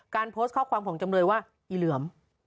โพสต์ข้อความของจำเลยว่าอีเหลือม